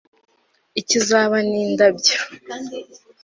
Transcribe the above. icyo izuba ni indabyo